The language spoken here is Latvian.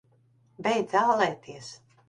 Beidz ālēties!